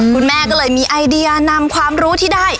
คุณแม่ก็เลยมีไอเดียนำความรู้ที่ได้